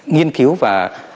nghiên cứu và